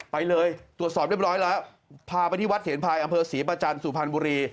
พาไปที่วัดเถียนภายอำเภอศรีประจันทร์สุพรรณบุรี